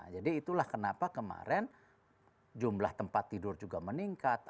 jadi itulah kenapa kemarin jumlah tempat tidur juga meningkat